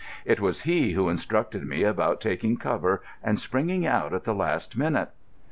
It was he who instructed me about taking cover and springing out at the last minute.